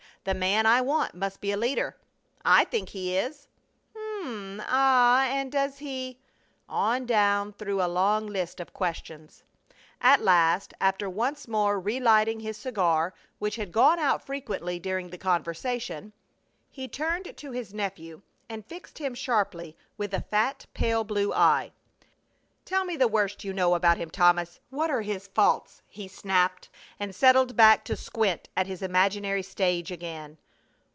The man I want must be a leader." "I think he is." "Um ah! And does he ?" on down through a long list of questions. At last, after once more relighting his cigar, which had gone out frequently during the conversation, he turned to his nephew and fixed him sharply with a fat pale blue eye. "Tell me the worst you know about him, Thomas! What are his faults?" he snapped, and settled back to squint at his imaginary stage again.